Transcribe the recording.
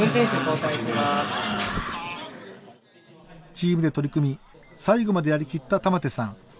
チームで取り組み最後までやりきった玉手さん。